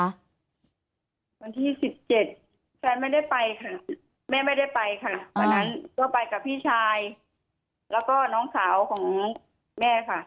วันที่๑๗แฟนไม่ได้ไปค่ะแม่ไม่ได้ไปค่ะวันนั้นก็ไปกับพี่ชายแล้วก็น้องสาวของแม่ค่ะ